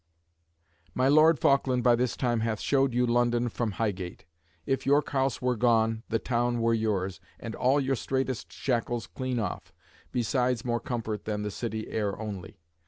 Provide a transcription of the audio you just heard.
"My Lord Falkland by this time hath showed you London from Highgate. If York House were gone, the town were yours, and all your straitest shackles clean off, besides more comfort than the city air only.